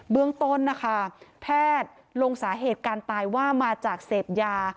เรื่องต้นนะคะแพทย์ลงสาเหตุการตายว่ามาจากเสพยา